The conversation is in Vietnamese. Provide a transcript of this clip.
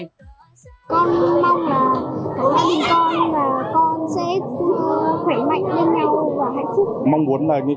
con mong là có gia đình con và con sẽ khỏe mạnh với nhau và hạnh phúc